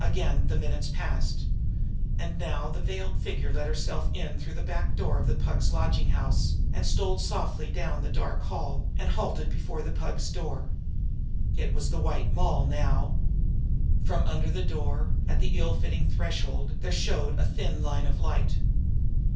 Again the minutes passed. And now the veiled figure let herself in through the back door of the Pug's lodging house, and stole softly down the dark hall, and halted before the Pug's door. It was the White Moll now. From under the door, at the ill fitting threshold, there showed a thin line of light.